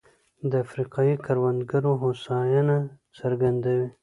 د افریقايي کروندګرو هوساینه څرګندوي.